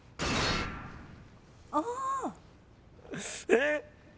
えっ？